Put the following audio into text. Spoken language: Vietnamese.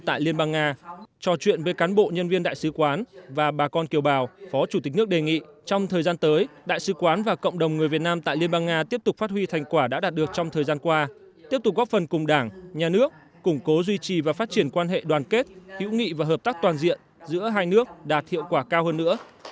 trong thời gian qua phó chủ tịch nước đề nghị trong thời gian tới đại sứ quán và cộng đồng người việt nam tại liên bang nga tiếp tục phát huy thành quả đã đạt được trong thời gian qua tiếp tục góp phần cùng đảng nhà nước củng cố duy trì và phát triển quan hệ đoàn kết hữu nghị và hợp tác toàn diện giữa hai nước đạt hiệu quả cao hơn nữa